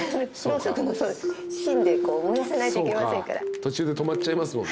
途中で止まっちゃいますもんね。